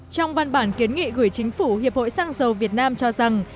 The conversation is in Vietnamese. trong văn bản kiến nghị gửi chính phủ hiệp hội xăng dầu việt nam cho rằng